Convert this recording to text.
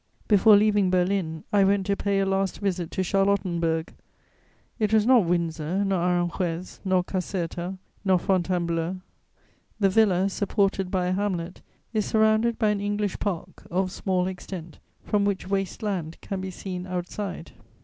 Before leaving Berlin, I went to pay a last visit to Charlottenburg; it was not Windsor, nor Aranjuez, nor Caserta, nor Fontainebleau: the villa, supported by a hamlet, is surrounded by an English park, of small extent, from which waste land can be seen outside.